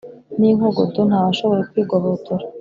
N'inkogoto ntawashoboye kwigobotora